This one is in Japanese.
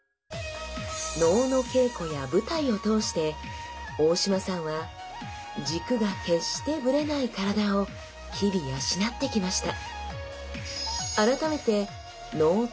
能の稽古や舞台を通して大島さんは軸が決してブレない体を日々養ってきました。